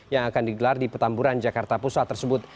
yang akan digelar di petamburan jakarta pusat tersebut